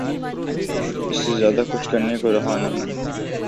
اس سے زیادہ کچھ کرنے کو رہا نہیں۔